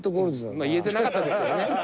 まあ言えてなかったですけどね。